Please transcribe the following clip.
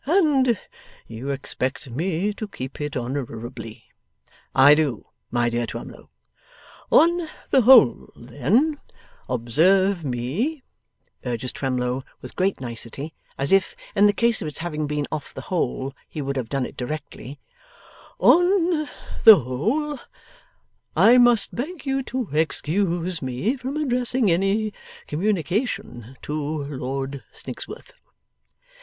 'And you expect me to keep it honourably.' 'I do, my dear Twemlow.' 'ON the whole, then; observe me,' urges Twemlow with great nicety, as if; in the case of its having been off the whole, he would have done it directly 'ON the whole, I must beg you to excuse me from addressing any communication to Lord Snigsworth.